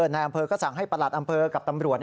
นายอำเภอก็สั่งให้ประหลัดอำเภอกับตำรวจ